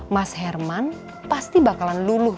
mas herman pasti bakalan luluh